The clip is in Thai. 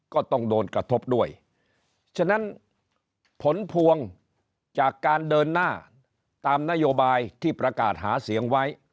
ก็ต้องโดนกระทบด้วยฉะนั้นผลพวงจากการเดินหน้าตามนโยบายที่ประกาศหาเสียงไว้